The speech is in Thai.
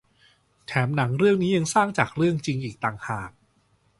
แถมหนังเรื่องนี้ยังสร้างจากเรื่องจริงอีกต่างหาก